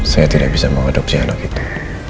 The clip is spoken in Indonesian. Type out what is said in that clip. saya tidak bisa mengadopsi anak itu